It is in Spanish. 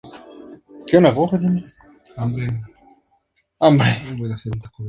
Fue uno de los fundadores de la Asociación de Escritores y Artistas.